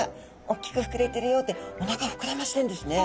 大きく膨れてるよっておなか膨らましてるんですね。